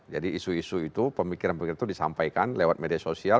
jadi isu isu itu pemikiran pemikiran itu disampaikan lewat media sosial